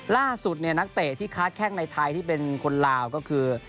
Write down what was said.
ล่าสุดเนี่ยนักเตะที่ค้าแข้งในไทยที่เป็นคนลาวก็คือ